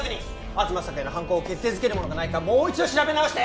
東朔也の犯行を決定づけるものがないかもう一度調べ直して！